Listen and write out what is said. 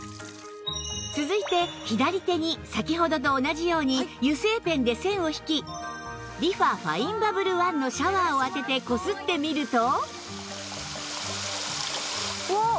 続いて左手に先ほどと同じように油性ペンで線を引きリファファインバブルワンのシャワーを当ててこすってみるとわお！